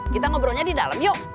kita ngobrolnya di dalam yuk